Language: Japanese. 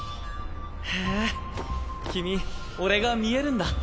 へえ君俺が見えるんだ。